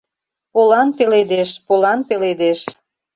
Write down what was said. Полан пеледеш, полан пеледеш